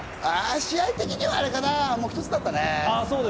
試合的にはあれかな、もう一つだったね。